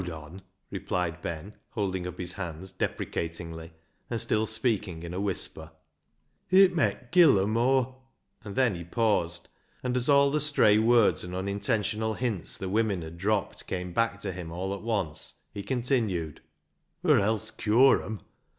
Howd on," replied Ben, holding up his hands deprecatingly and still speaking in a whisper, 228 BECKSIDE LIGHTS " it met kill 'em, or "— and then he paused, and as all the stray words and unintentional hints the women had dropped came back to him all at once, he continued —" or else cure 'em.